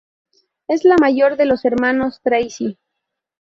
Es el mayor de los hermanos Tracy.